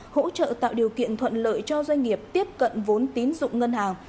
hỗ trợ tạo điều kiện thuận lợi cho doanh nghiệp tiếp cận vốn tín dụng ngân hàng